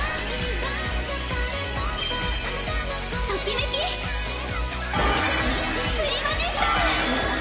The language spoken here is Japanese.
ときめきプリマジスタ！